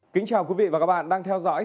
kính chào quý vị và các bạn đang theo dõi